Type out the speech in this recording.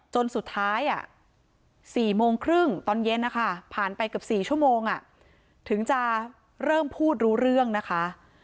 จนสุดท้าย๔โมงครึ่งตอนเย็นนะคะผ่านไปเกือบ๔ชั่วโมงถึงจะเริ่มพูดรู้เรื่องนะคะ